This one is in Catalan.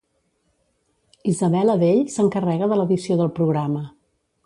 Isabel Adell s'encarrega de l'edició del programa.